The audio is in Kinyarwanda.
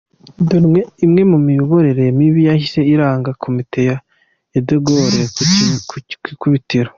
Dore imwe mu miyoborere mibi yahise iranga komite ya DeGaule ku ikubitiro.